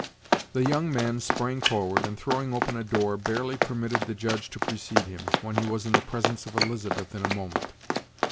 The young man sprang forward, and, throwing open a door, barely permitted the Judge to precede him, when he was in the presence of Elizabeth in a moment.